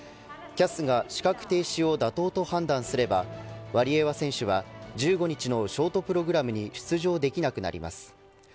ＣＡＳが資格停止を妥当と判断すればワリエワ選手は１５日のショートプログラムに出場できなくなります。